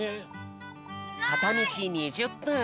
かたみち２０ぷん。